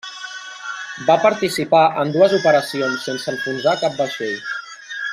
Va participar en dues operacions sense enfonsar cap vaixell.